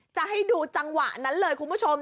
จะให้ดูจังหวะนั้นเลยคุณผู้ชม